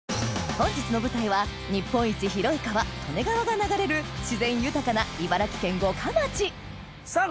本日の舞台は日本一広い川利根川が流れる自然豊かな茨城県五霞町さぁ